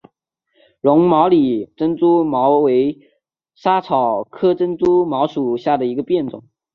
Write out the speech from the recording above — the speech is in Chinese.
柔毛果珍珠茅为莎草科珍珠茅属下的一个变种。